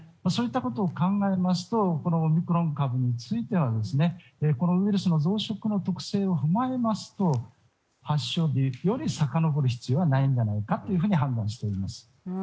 そういったことを考えますとオミクロン株についてはこのウイルスの増殖の特性を踏まえますと発症日より、さかのぼる必要はないんじゃないかと判断しております。